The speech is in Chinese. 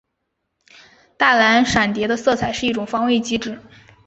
大蓝闪蝶的色彩是一种防卫机制。